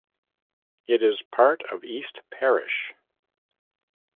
It is part of East Parish.